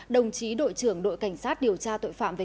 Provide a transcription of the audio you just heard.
đồng chí đội trưởng đội cảnh sát điều tra tội phạm về